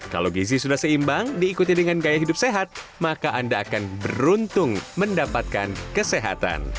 kalau gizi sudah seimbang diikuti dengan gaya hidup sehat maka anda akan beruntung mendapatkan kesehatan